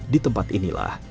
di tempat inilah